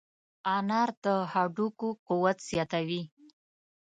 انار د هډوکو قوت زیاتوي.